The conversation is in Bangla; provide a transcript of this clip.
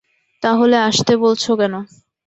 তা হলে আসতে বলছ কেন?